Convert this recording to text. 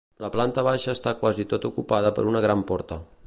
La planta baixa està quasi tota ocupada per una gran porta.